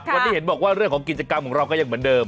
วันนี้เห็นบอกว่าเรื่องของกิจกรรมของเราก็ยังเหมือนเดิม